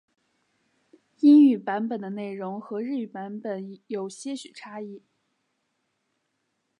英语版本的内容和日语版本有些许差异。